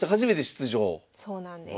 そうなんです。